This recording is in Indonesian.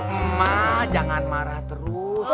emma jangan marah terus